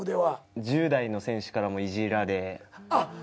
１０代の選手からもいじられ。